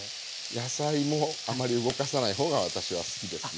野菜もあまり動かさない方が私は好きですね。